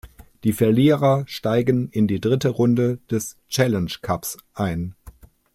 Die Verlierer steigen in die dritte Runde des Challenge Cups ein.